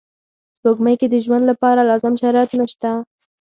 سپوږمۍ کې د ژوند لپاره لازم شرایط نشته